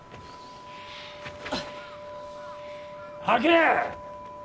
吐け！